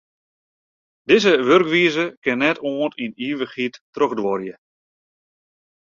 Dizze wurkwize kin net oant yn ivichheid trochduorje.